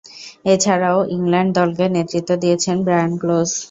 এছাড়াও, ইংল্যান্ড দলকে নেতৃত্ব দিয়েছেন ব্রায়ান ক্লোজ।